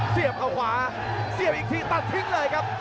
เสียบเข้าขวาเสียบอีกทีตัดทิ้งเลยครับ